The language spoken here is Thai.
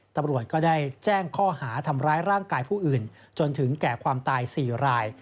ตำรวจก็ได้แจ้งข้อหาทำร้ายร่างกายผู้อื่นจนถึงแก่ความตาย๔ราย